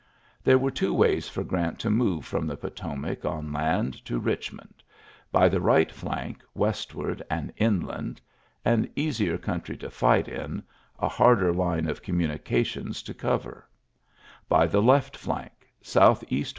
There were two ways for Grant to move from the Potomac on land to Bick mond : by the right flank, westward and inland — an easier country to fig^t in, a harder line of communicatifms to cover ] by the left flank, south eastwd^ ULYSSES S.